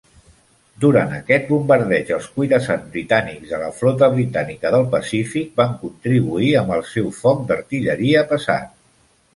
Durant aquest bombardeig, els cuirassats britànics de la Flota Britànica del Pacífic van contribuir amb el seu foc d'artilleria pesat.